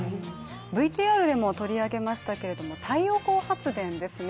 ＶＴＲでも取り上げましたが、太陽光発電ですね。